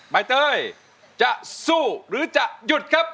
ใบเตยจะสู้หรือจะหยุดครับ